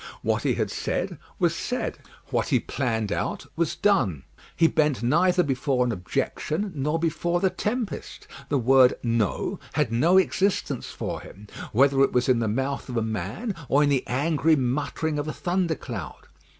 What he had said was said; what he planned out was done. He bent neither before an objection nor before the tempest. The word "no" had no existence for him, whether it was in the mouth of a man or in the angry muttering of a thunder cloud.